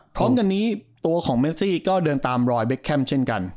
พร้อมกันนี้ตัวของเมซี่ก็เดินตามรอยเบคแคมป์เช่นกัน